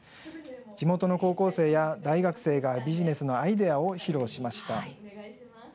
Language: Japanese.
地元の高校生や大学生がビジネスのアイデアを披露しました。